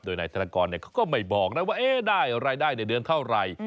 โดยนายธนกรเขาก็ไม่บอกนะว่าได้รายได้ในเดือนเท่าไหร่